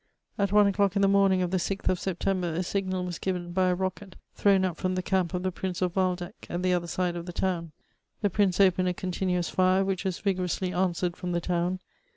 At one o'clock in the morning of the 6th of September, a signal was ^ven by a rocket thrown up from the camp of the Prince of Waldeck at the other side of the town. The prince opened a continuous fire, which was vi»>rously answered from the town.